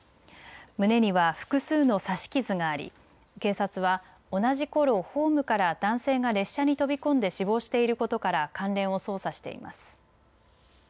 胸には複数の刺し傷があり警察は同じころホームから男性が列車に飛び込んで死亡していることから関連を捜査しています。